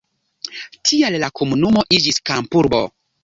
Tial la komunumo iĝis kampurbo.